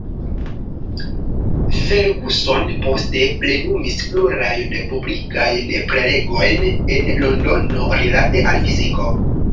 Ferguson poste plenumis plurajn publikajn prelegojn en Londono rilate al fiziko.